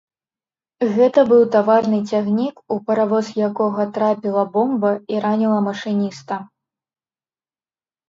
Гэта быў таварны цягнік, у паравоз якога трапіла бомба і раніла машыніста.